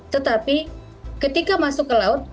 tetapi ketika masuk ke laut